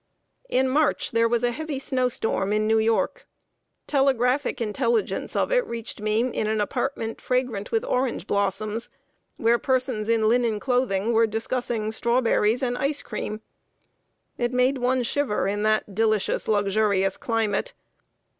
In March, there was a heavy snow storm in New York. Telegraphic intelligence of it reached me in an apartment fragrant with orange blossoms, where persons in linen clothing were discussing strawberries and ice cream. It made one shiver in that delicious, luxurious climate.